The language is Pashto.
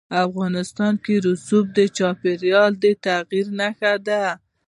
افغانستان کې رسوب د چاپېریال د تغیر نښه ده.